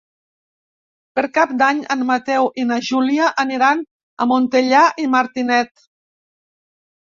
Per Cap d'Any en Mateu i na Júlia aniran a Montellà i Martinet.